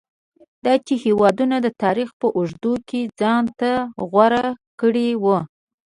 دا چې هېوادونو د تاریخ په اوږدو کې ځان ته غوره کړي وو.